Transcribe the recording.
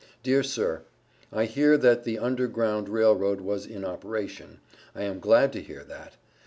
Dear Sir, I hear that the under ground railroad was in operation. I am glad to hear that.